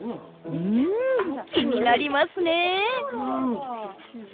うん気になりますねえ。